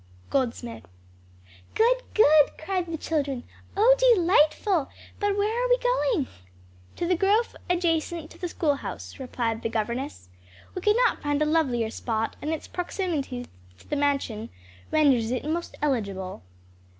GOLDSMITH. "Good! good!" cried the children. "Oh, delightful! But where are we going?" "To the grove adjacent to the schoolhouse," replied the governess. "We could not find a lovelier spot, and its proximity to the mansion renders it most eligible."